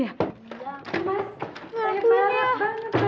iya mas banyak banget banyak